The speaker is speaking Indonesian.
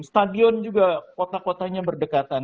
stadion juga kota kotanya berdekatan